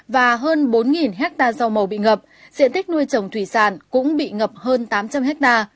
và hơn bốn hectare rau màu bị ngập diện tích nuôi trồng thủy sản cũng bị ngập hơn tám trăm linh ha